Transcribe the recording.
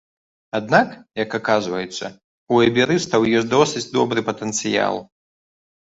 Аднак, як аказваецца, у іберыстаў ёсць досыць добры патэнцыял.